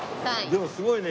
でもすごいね